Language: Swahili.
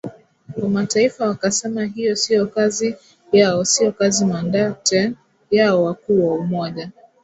wa Mataifa wakasema hiyo sio kazi yao sio mandate yao Wakuu wa Umoja